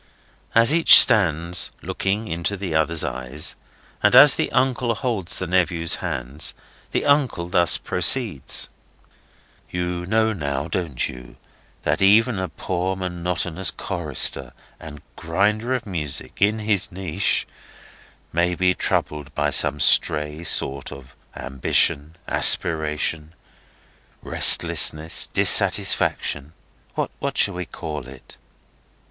As each stands looking into the other's eyes, and as the uncle holds the nephew's hands, the uncle thus proceeds: "You know now, don't you, that even a poor monotonous chorister and grinder of music—in his niche—may be troubled with some stray sort of ambition, aspiration, restlessness, dissatisfaction, what shall we call it?"